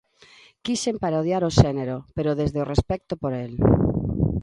Quixen parodiar o xénero, pero desde o respecto por el.